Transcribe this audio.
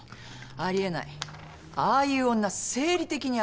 ありえないああいう女生理的にありえない。